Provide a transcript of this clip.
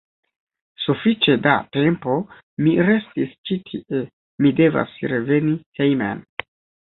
Sufiĉe da tempo mi restis ĉi tie, mi devas reveni hejmen.